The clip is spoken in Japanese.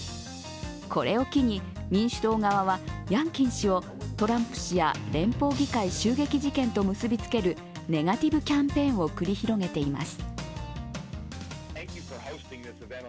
これを機に民主党側はヤンキン氏をトランプ氏や連邦議会襲撃事件と結びつけるネガティブキャンペーンを繰り広げています。